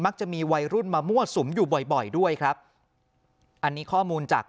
จะมีวัยรุ่นมามั่วสุมอยู่บ่อยบ่อยด้วยครับอันนี้ข้อมูลจาก